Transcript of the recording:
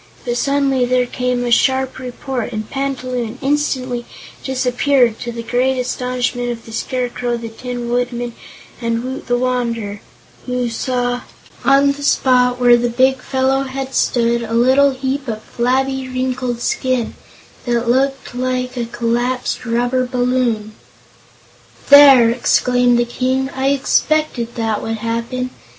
But suddenly there came a sharp report and Panta Loon instantly disappeared, to the great astonishment of the Scarecrow, the Tin Woodman and Woot the Wanderer, who saw on the spot where the big fellow had stood a little heap of flabby, wrinkled skin that looked like a collapsed rubber balloon. "There!" exclaimed the King; "I expected that would happen.